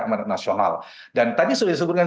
amat nasional dan tadi sudah disubuhkan